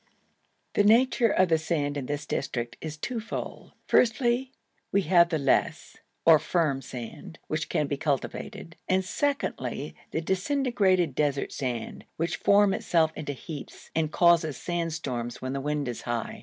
The nature of the sand in this district is twofold. Firstly we have the loess or firm sand, which can be cultivated; and secondly the disintegrated desert sand, which forms itself into heaps and causes sandstorms when the wind is high.